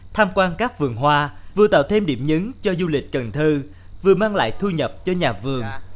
tham quan các vườn hoa vừa tạo thêm điểm nhấn cho du lịch cần thơ vừa mang lại thu nhập cho nhà vườn